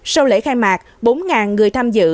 sau lễ khai mạc bốn người tham dự